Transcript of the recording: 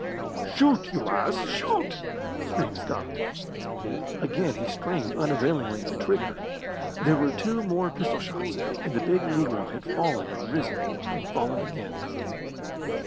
"Shoot, you ass, shoot!" screamed Scott. Again he strained unavailingly at the trigger. There were two more pistol shots, and the big negro had fallen and risen and fallen again.